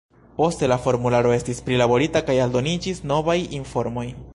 Poste la formularo estis prilaborita kaj aldoniĝis novaj informoj.